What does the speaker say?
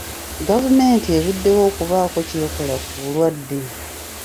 Gavumenti eruddewo okubaako ky'ekola ku bulwadde.